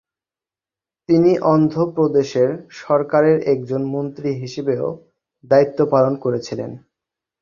তিনি অন্ধ্রপ্রদেশ সরকারের একজন মন্ত্রী হিসেবেও দায়িত্ব পালন করেছিলেন।